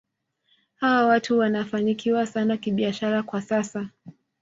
Hawa watu wanafanikiwa sana kibiashara kwa sasa